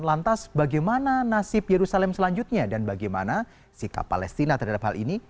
lantas bagaimana nasib yerusalem selanjutnya dan bagaimana sikap palestina terhadap hal ini